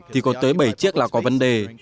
thì có tới bảy chiếc là có vấn đề